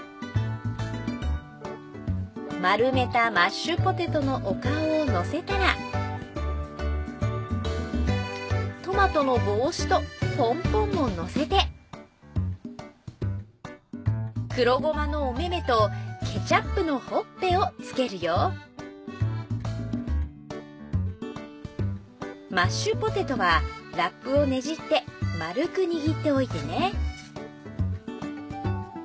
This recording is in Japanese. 丸めたマッシュポテトのお顔をのせたらトマトの帽子とポンポンものせて黒ごまのおめめとケチャップのほっぺをつけるよマッシュポテトはラップをねじって丸く握っておいてね